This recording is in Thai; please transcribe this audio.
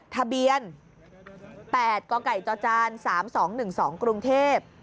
ทะเบียน๘กกจจ๓๒๑๒กรุงเทพ